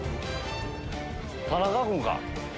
田中君か。